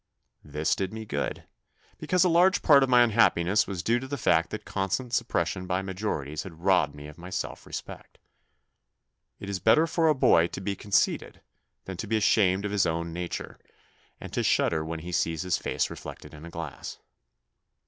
This did me good, because a large part of my unhappi ness was due to the fact that constant suppres sion by majorities had robbed me of my self respect. It is better for a boy to be conceited than to be ashamed of his own nature, and to shudder when he sees his face reflected in a glass.